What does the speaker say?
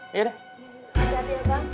hati hati ya bang